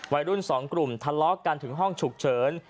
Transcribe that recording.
วัยรุ่นสองกลุ่มทะเลาะกันถึงห้องฉุกเฉิน